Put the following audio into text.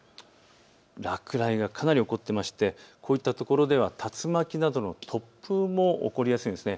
落雷がかなり起こっていましてこういった所では竜巻などの突風も起こりやすいんです。